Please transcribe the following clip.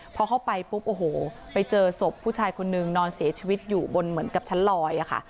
พอเข้าไปปุ๊บโอ้โหไปเจอศพผู้ชายคนนึงนอนเสียชีวิตอยู่บนเหมือนกับชั้นลอยค่ะ